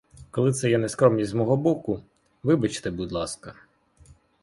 Коли це є нескромність з мого боку — вибачте, будь ласка.